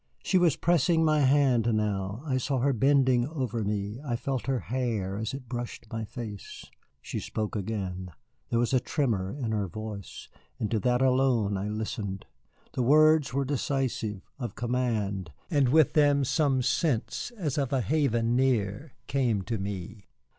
She was pressing my hand now, I saw her bending over me, I felt her hair as it brushed my face. She spoke again. There was a tremor in her voice, and to that alone I listened. The words were decisive, of command, and with them some sense as of a haven near came to me.